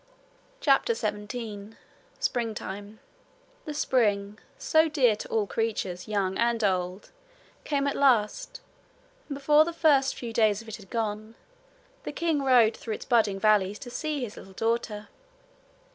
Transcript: CHAPTER 17 Springtime The spring so dear to all creatures, young and old, came at last, and before the first few days of it had gone, the king rode through its budding valleys to see his little daughter.